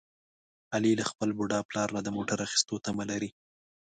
علي له خپل بوډا پلار نه د موټر اخیستلو تمه لري.